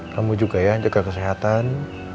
kamu juga ya jaga kesehatan